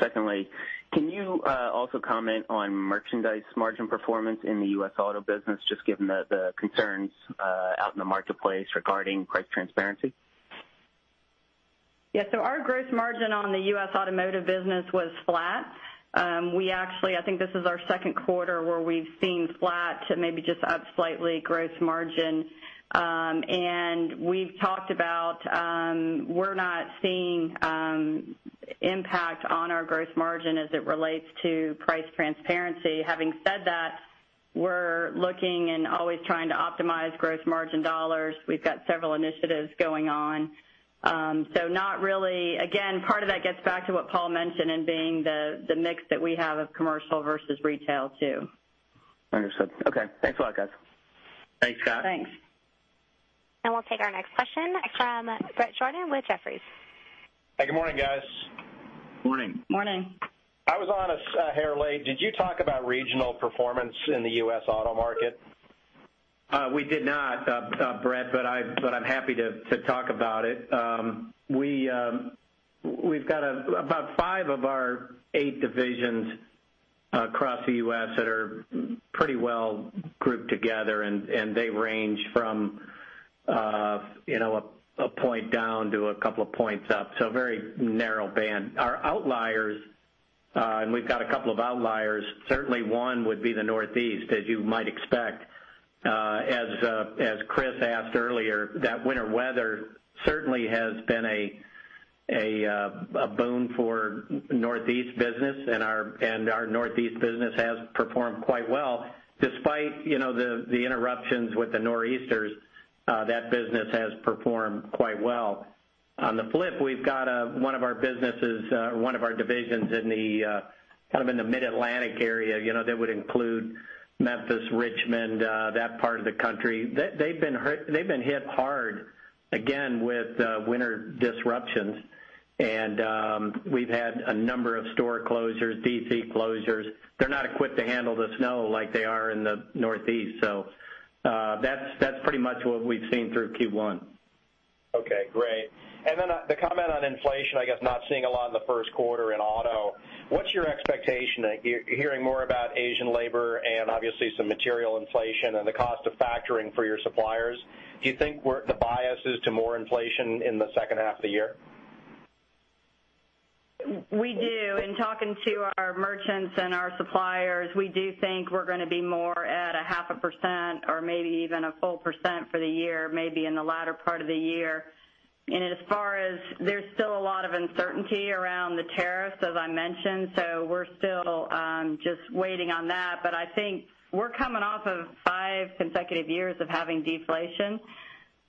Secondly, can you also comment on merchandise margin performance in the U.S. auto business, just given the concerns out in the marketplace regarding price transparency? Our gross margin on the U.S. automotive business was flat. I think this is our second quarter where we've seen flat to maybe just up slightly gross margin. We've talked about we're not seeing impact on our gross margin as it relates to price transparency. Having said that, we're looking and always trying to optimize gross margin dollars. We've got several initiatives going on. Not really. Again, part of that gets back to what Paul mentioned in being the mix that we have of commercial versus retail, too. Understood. Thanks a lot, guys. Thanks, Scot. Thanks. We'll take our next question from Bret Jordan with Jefferies. Hey, good morning, guys. Morning. Morning. I was on a hair late. Did you talk about regional performance in the U.S. auto market? We did not, Bret, but I'm happy to talk about it. We've got about five of our eight divisions across the U.S. that are pretty well grouped together, and they range from a point down to a couple of points up, so very narrow band. Our outliers, we've got a couple of outliers, certainly one would be the Northeast, as you might expect. As Chris asked earlier, that winter weather certainly has been a boon for Northeast business, and our Northeast business has performed quite well. Despite the interruptions with the Nor'easters, that business has performed quite well. On the flip, we've got one of our divisions in the mid-Atlantic area that would include Memphis, Richmond, that part of the country. They've been hit hard, again, with winter disruptions. We've had a number of store closures, DC closures. They're not equipped to handle the snow like they are in the Northeast. That's pretty much what we've seen through Q1. Okay, great. The comment on inflation, I guess not seeing a lot in the first quarter in auto. What's your expectation? Hearing more about Asian labor and obviously some material inflation and the cost of factoring for your suppliers. Do you think the bias is to more inflation in the second half of the year? We do. In talking to our merchants and our suppliers, we do think we're going to be more at a half a % or maybe even a full % for the year, maybe in the latter part of the year. As far as there's still a lot of uncertainty around the tariffs, as I mentioned, we're still just waiting on that. I think we're coming off of five consecutive years of having deflation.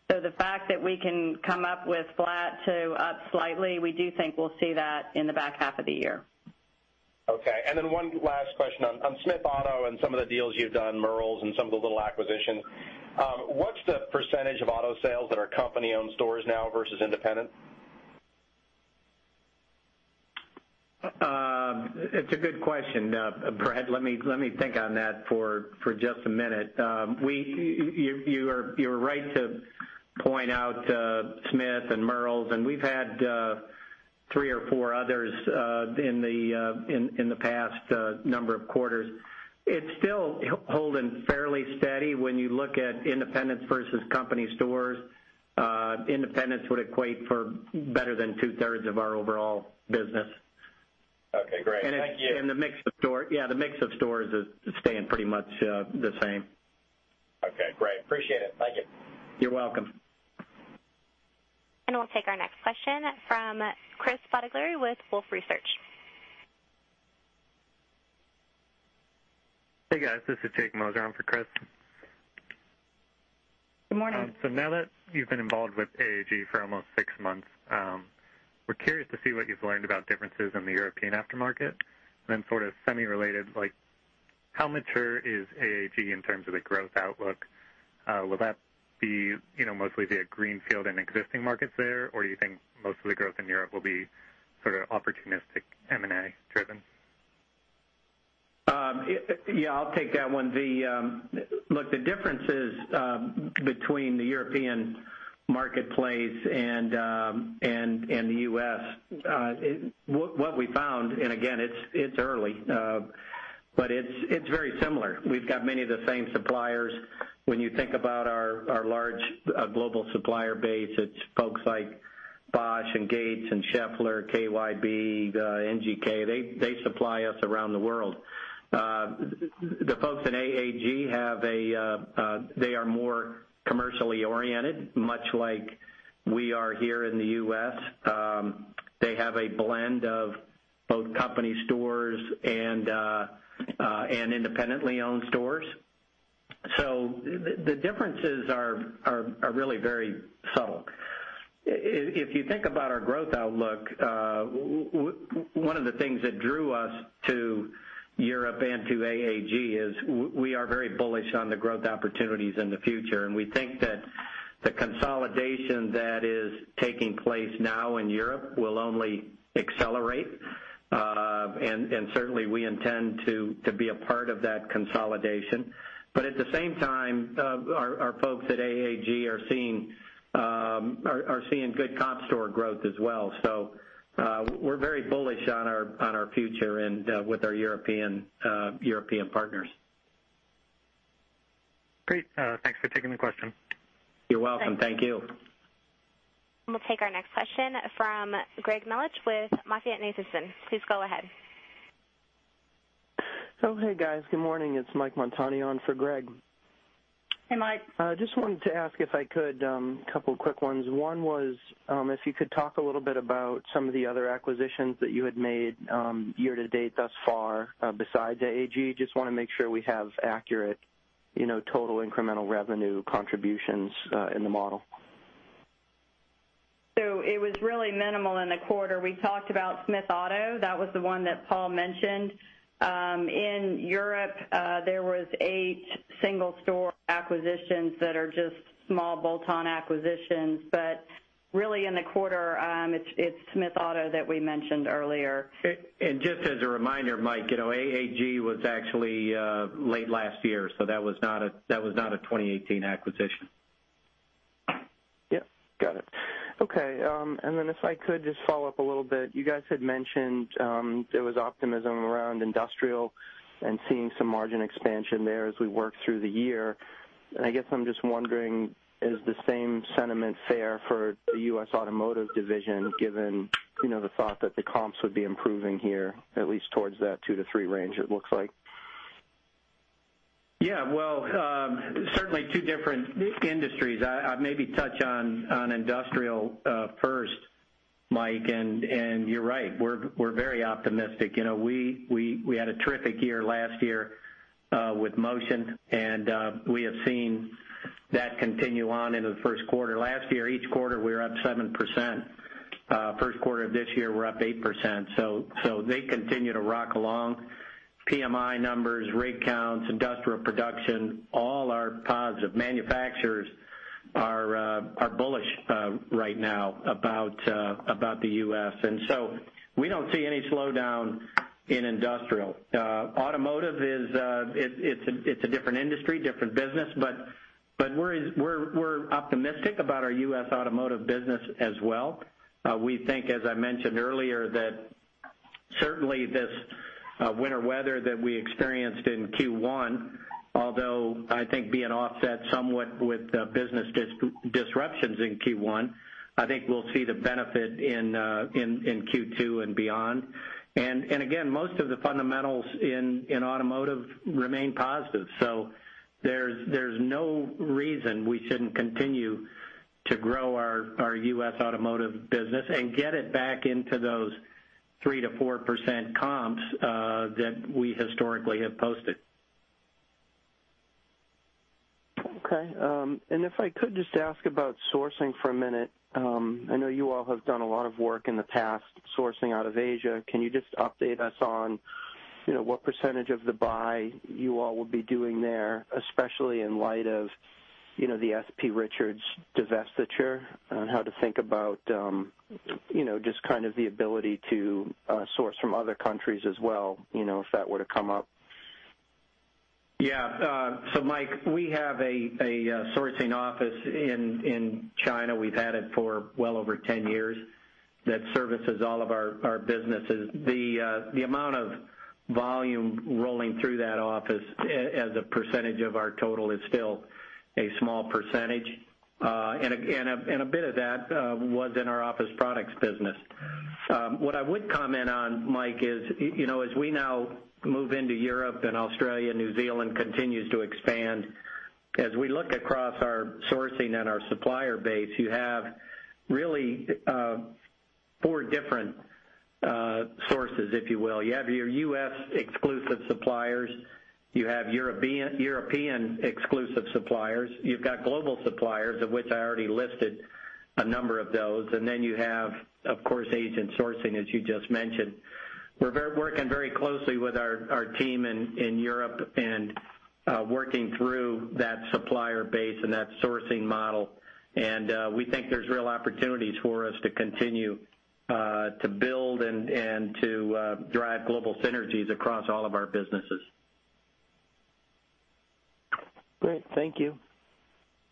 The fact that we can come up with flat to up slightly, we do think we'll see that in the back half of the year. Okay. One last question on Smith Auto and some of the deals you've done, Merle's and some of the little acquisitions. What's the percentage of auto sales that are company-owned stores now versus independent? It's a good question, Bret. Let me think on that for just a minute. You are right to point out Smith Auto and Merle's, we've had three or four others in the past number of quarters. It's still holding fairly steady when you look at independents versus company stores. Independents would equate for better than two-thirds of our overall business. Okay, great. Thank you. Yeah, the mix of stores is staying pretty much the same. Okay, great. Appreciate it. Thank you. You're welcome. We'll take our next question from Chris Bottiglieri with Wolfe Research. Hey, guys, this is Jake Moser on for Chris. Good morning. Now that you've been involved with AAG for almost 6 months, we're curious to see what you've learned about differences in the European aftermarket, then sort of semi-related, how mature is AAG in terms of the growth outlook? Will that be mostly via greenfield and existing markets there, or do you think most of the growth in Europe will be sort of opportunistic M&A driven? I'll take that one. The differences between the European marketplace and the U.S., what we found, and again, it's early, but it's very similar. We've got many of the same suppliers. When you think about our large global supplier base, it's folks like Bosch and Gates and Schaeffler, KYB, NGK. They supply us around the world. The folks in AAG are more commercially oriented, much like we are here in the U.S. They have a blend of both company stores and independently owned stores. The differences are really very subtle. If you think about our growth outlook, one of the things that drew us to Europe and to AAG is we are very bullish on the growth opportunities in the future, and we think that the consolidation that is taking place now in Europe will only accelerate. Certainly, we intend to be a part of that consolidation. At the same time, our folks at AAG are seeing good comp store growth as well. We're very bullish on our future and with our European partners. Great. Thanks for taking the question. You're welcome. Thank you. We'll take our next question from Greg Melich with MoffettNathanson. Please go ahead. Oh, hey, guys. Good morning. It's Mike Montani on for Greg. Hey, Mike. Just wanted to ask, if I could, a couple quick ones. One was if you could talk a little bit about some of the other acquisitions that you had made year to date thus far besides AAG. Just want to make sure we have accurate total incremental revenue contributions in the model. It was really minimal in the quarter. We talked about Smith Auto. That was the one that Paul mentioned. In Europe, there was eight single-store acquisitions that are just small bolt-on acquisitions. Really in the quarter, it's Smith Auto that we mentioned earlier. Just as a reminder, Mike, AAG was actually late last year, so that was not a 2018 acquisition. Yep. Got it. Okay. Then if I could just follow up a little bit. You guys had mentioned there was optimism around industrial and seeing some margin expansion there as we work through the year. I guess I'm just wondering, is the same sentiment fair for the U.S. automotive division, given the thought that the comps would be improving here at least towards that 2%-3% range, it looks like? Well, certainly two different industries. I maybe touch on industrial first, Mike. You're right. We're very optimistic. We had a terrific year last year with Motion, and we have seen that continue on into the first quarter. Last year, each quarter, we were up 7%. First quarter of this year, we're up 8%. They continue to rock along. PMI numbers, rig counts, industrial production, all are positive. Manufacturers are bullish right now about the U.S. We don't see any slowdown in industrial. Automotive, it's a different industry, different business. We're optimistic about our U.S. automotive business as well. We think, as I mentioned earlier, that certainly this winter weather that we experienced in Q1, although I think being offset somewhat with business disruptions in Q1, I think we'll see the benefit in Q2 and beyond. Again, most of the fundamentals in automotive remain positive. There's no reason we shouldn't continue to grow our U.S. automotive business and get it back into those 3%-4% comps that we historically have posted. Okay. If I could just ask about sourcing for a minute. I know you all have done a lot of work in the past sourcing out of Asia. Can you just update us on what percentage of the buy you all will be doing there, especially in light of the S.P. Richards divestiture, on how to think about just kind of the ability to source from other countries as well if that were to come up? Mike, we have a sourcing office in China. We've had it for well over 10 years. That services all of our businesses. The amount of volume rolling through that office as a percentage of our total is still a small percentage. A bit of that was in our office products business. What I would comment on, Mike, is as we now move into Europe and Australia, New Zealand continues to expand. As we look across our sourcing and our supplier base, you have really four different sources, if you will. You have your U.S. exclusive suppliers. You have European exclusive suppliers. You've got global suppliers, of which I already listed a number of those. Then you have, of course, agent sourcing, as you just mentioned. We're working very closely with our team in Europe and working through that supplier base and that sourcing model. We think there's real opportunities for us to continue to build and to drive global synergies across all of our businesses. Great. Thank you.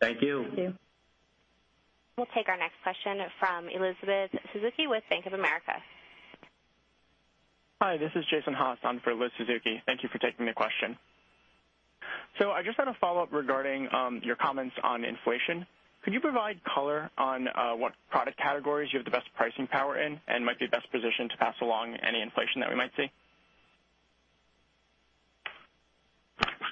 Thank you. Thank you. We'll take our next question from Elizabeth Suzuki with Bank of America. Hi, this is Jason Haas on for Liz Suzuki. Thank you for taking the question. I just had a follow-up regarding your comments on inflation. Could you provide color on what product categories you have the best pricing power in and might be best positioned to pass along any inflation that we might see?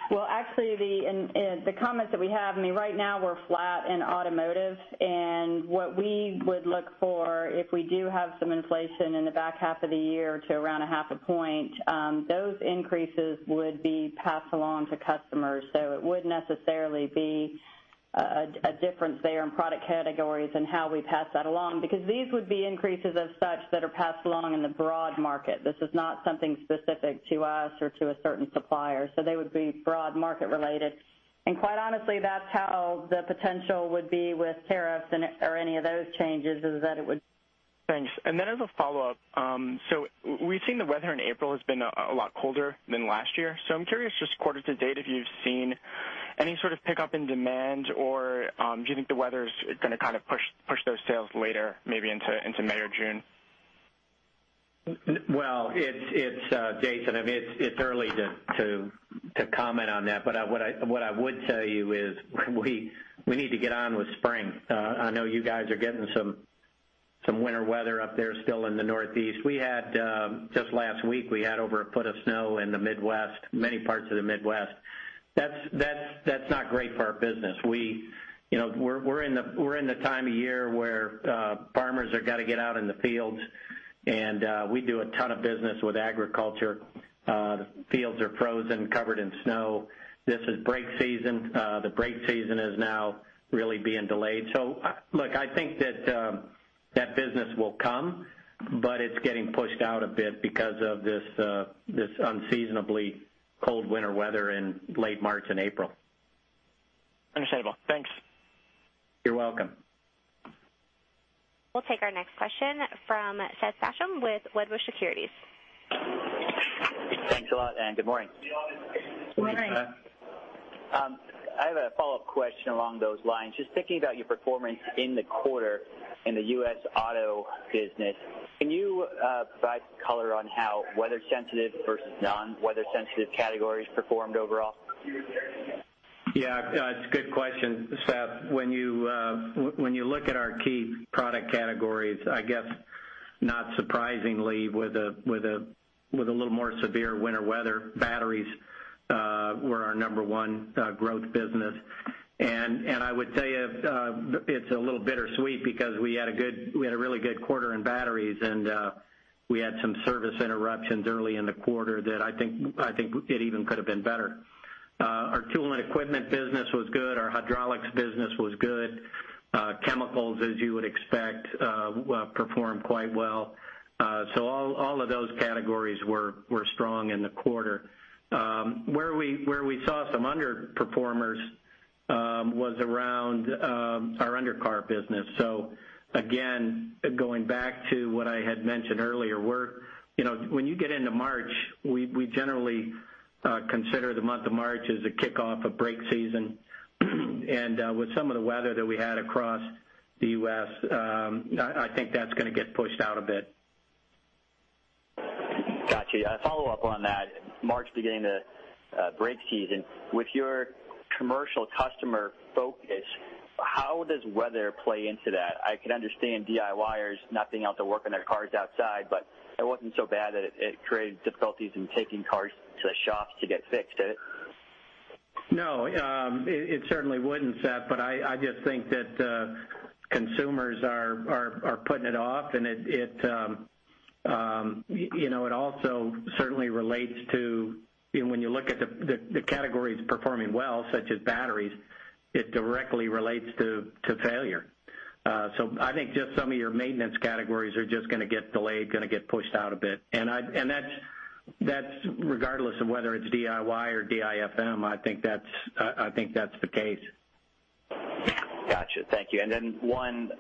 Well, actually, in the comments that we have, right now, we're flat in automotive and what we would look for if we do have some inflation in the back half of the year to around a half a point, those increases would be passed along to customers. It wouldn't necessarily be a difference there in product categories and how we pass that along, because these would be increases as such that are passed along in the broad market. This is not something specific to us or to a certain supplier, so they would be broad market related. Quite honestly, that's how the potential would be with tariffs or any of those changes is that it would. Thanks. As a follow-up, we've seen the weather in April has been a lot colder than last year. I'm curious just quarter to date, if you've seen any sort of pickup in demand or do you think the weather's going to kind of push those sales later, maybe into May or June? Well, Jason, it's early to comment on that. What I would tell you is we need to get on with spring. I know you guys are getting some winter weather up there still in the Northeast. Just last week, we had over a foot of snow in the Midwest, many parts of the Midwest. That's not great for our business. We're in the time of year where farmers have got to get out in the fields, and we do a ton of business with agriculture. The fields are frozen, covered in snow. This is brake season. The brake season is now really being delayed. Look, I think that business will come, but it's getting pushed out a bit because of this unseasonably cold winter weather in late March and April. Understandable. Thanks. You're welcome. We'll take our next question from Seth Basham with Wedbush Securities. Thanks a lot. Good morning. Good morning. I have a follow-up question along those lines. Just thinking about your performance in the quarter in the U.S. auto business, can you provide color on how weather sensitive versus non-weather sensitive categories performed overall? Yeah, it's a good question, Seth. When you look at our key product categories, I guess not surprisingly with a little more severe winter weather, batteries were our number one growth business. I would say it's a little bittersweet because we had a really good quarter in batteries and we had some service interruptions early in the quarter that I think it even could have been better. Our tool and equipment business was good. Our hydraulics business was good. Chemicals, as you would expect, performed quite well. All of those categories were strong in the quarter. Where we saw some underperformers was around our undercar business. Again, going back to what I had mentioned earlier, when you get into March, we generally consider the month of March as a kickoff of break season. With some of the weather that we had across the U.S., I think that's going to get pushed out a bit. Got you. A follow-up on that. March beginning the break season. With your commercial customer focus, how does weather play into that? I could understand DIYers not being able to work on their cars outside, but it wasn't so bad that it created difficulties in taking cars to the shops to get fixed, did it? No, it certainly wouldn't, Seth, I just think that consumers are putting it off, it also certainly relates to when you look at the categories performing well, such as batteries, it directly relates to failure. I think just some of your maintenance categories are just going to get delayed, going to get pushed out a bit. That's regardless of whether it's DIY or DIFM. I think that's the case. Got you. Thank you. Then one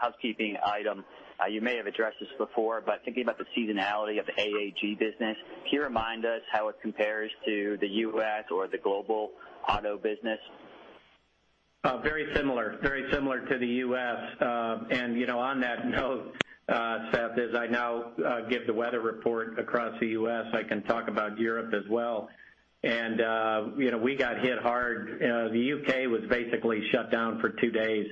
housekeeping item. You may have addressed this before, but thinking about the seasonality of the AAG business, can you remind us how it compares to the U.S. or the global auto business? Very similar to the U.S. On that note, Seth, as I now give the weather report across the U.S., I can talk about Europe as well. We got hit hard. The U.K. was basically shut down for two days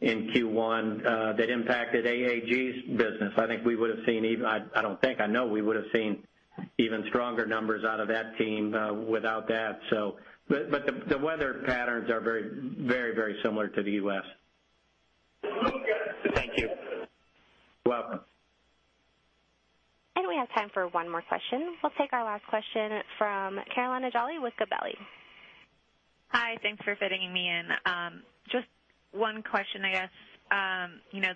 in Q1. That impacted AAG's business. I know we would've seen even stronger numbers out of that team without that. The weather patterns are very similar to the U.S. Thank you. You're welcome. We have time for one more question. We'll take our last question from Carolina Jolly with Gabelli. Hi. Thanks for fitting me in. Just one question, I guess.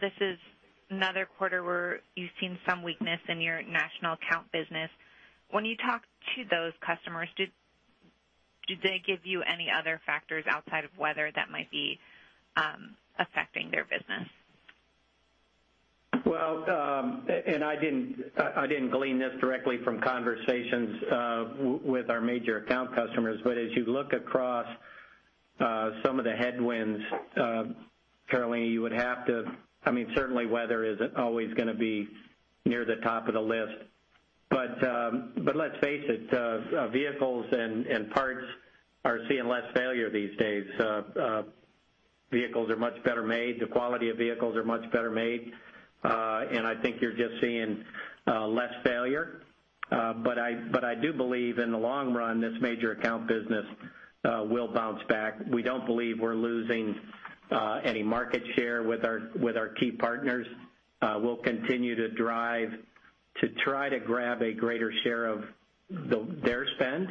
This is another quarter where you've seen some weakness in your national account business. When you talk to those customers, do they give you any other factors outside of weather that might be affecting their business? Well, I didn't glean this directly from conversations with our major account customers, as you look across some of the headwinds, Carolina, certainly weather isn't always going to be near the top of the list. Let's face it, vehicles and parts are seeing less failure these days. Vehicles are much better made. The quality of vehicles are much better made. I think you're just seeing less failure. I do believe in the long run, this major account business will bounce back. We don't believe we're losing any market share with our key partners. We'll continue to drive to try to grab a greater share of their spend.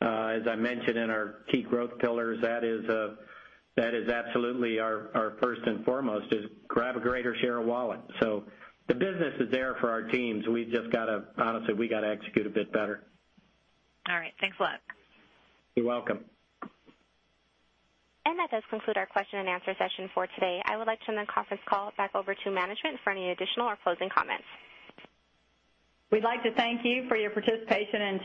As I mentioned in our key growth pillars, that is absolutely our first and foremost is grab a greater share of wallet. The business is there for our teams. Honestly, we've got to execute a bit better. All right. Thanks a lot. You're welcome. That does conclude our question and answer session for today. I would like to turn the conference call back over to management for any additional or closing comments. We'd like to thank you for your participation in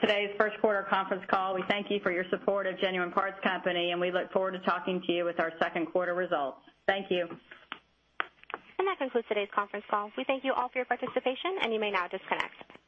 today's first quarter conference call. We thank you for your support of Genuine Parts Company, and we look forward to talking to you with our second quarter results. Thank you. That concludes today's conference call. We thank you all for your participation, and you may now disconnect.